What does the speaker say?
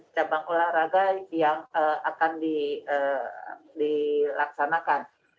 cabang olahraga yang akan dilaksanakan